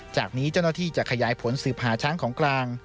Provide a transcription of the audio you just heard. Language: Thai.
จากนี้เจ้าหน้าที่จะขยายผลสืบหาช้างของกลาง